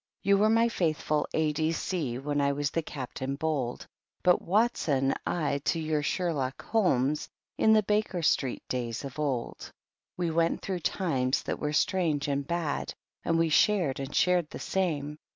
You were my faithful AD.C, when I was the Captain bold. But Watson I, to your Sherlock Holmes, in the Baker Street days of old, JVe went through times that were strange and bad, and we shared and shared the same.